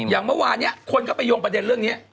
อย่างเมื่อวานนี้คนก็ไปโยงประเด็นเรื่องนี้